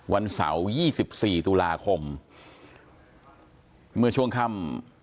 วันเสาร์ยี่สิบสี่ตุลาคมเมื่อช่วงคำ